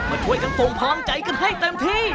มาช่วยกันส่งพลังใจกันให้เต็มที่